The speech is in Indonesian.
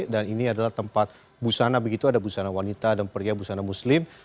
dan ini adalah tempat busana begitu ada busana wanita ada busana muslim